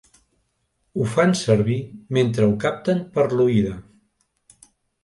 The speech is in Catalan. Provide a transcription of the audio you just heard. Ho fan servir mentre ho capten per l'oïda.